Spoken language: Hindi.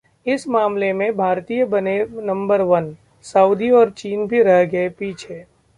इस मामले में भारतीय बने 'नंबर वन', सऊदी और चीन भी रह गए पीछे